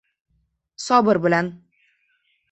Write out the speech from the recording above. — Sobir bilan.